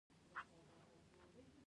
آیا د کاناډا طبیعت سیلانیان نه جذبوي؟